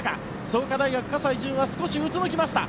創価大学、葛西潤が少しうつむきました。